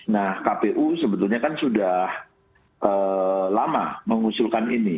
nah kpu sebetulnya kan sudah lama mengusulkan ini